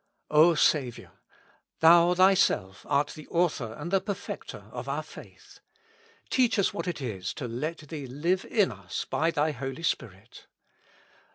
O Saviour ! Thou Thyself art the Author and the Perfecter of our faith ; teach us what it is to let Thee live in us by Thy Holy Spirit.